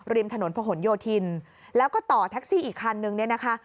ริมถนนพะหนโยธินแล้วก็ต่อแท็กซี่อีกคันนึงเนี่ยนะคะ